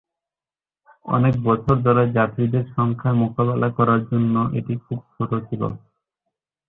অনেক বছর ধরে, যাত্রীদের সংখ্যা মোকাবেলা করার জন্য এটি খুব ছোট ছিল।